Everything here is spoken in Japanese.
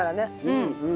うん！